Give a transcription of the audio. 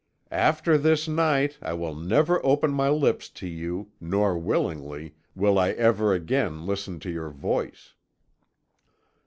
'After this night I will never open my lips to you, nor, willingly, will I ever again listen to your voice!'